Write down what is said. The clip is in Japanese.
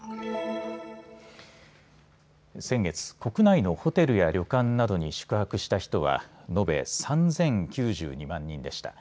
先月、国内のホテルや旅館などに宿泊した人は延べ３０９２万人でした。